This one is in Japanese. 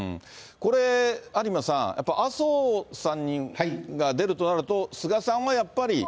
これ、有馬さん、やっぱり麻生さんが出るとなると、河野さんですね。